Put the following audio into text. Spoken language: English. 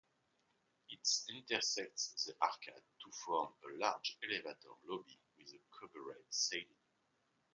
It intersects the arcade to form a large elevator lobby with a coffered ceiling.